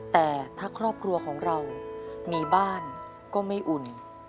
แต่ถ้าครอบครัวของเรามีบ้านก็ไม่อุ่น